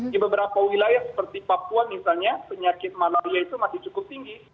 di beberapa wilayah seperti papua misalnya penyakit manalia itu masih cukup tinggi